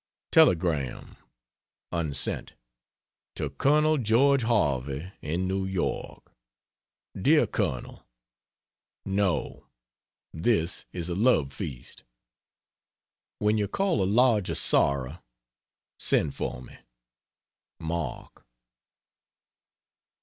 Telegram (unsent). To Col. George Harvey, in New York: DEAR COLONEL, No, this is a love feast; when you call a lodge of sorrow send for me. MARK.